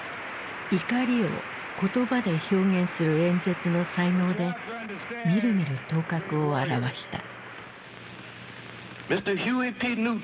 怒りを言葉で表現する演説の才能でみるみる頭角を現した。